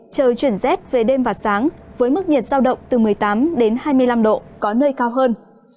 trời chuyển rét về đêm và sáng với mức nhiệt giao động từ một mươi tám hai mươi năm độ có nơi cao hơn